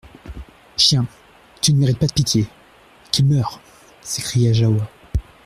Chien ! tu ne mérites pas de pitié ! Qu'il meure ! s'écria Jahoua.